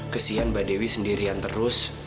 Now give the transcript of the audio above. kesihan mbak dewi sendirian terus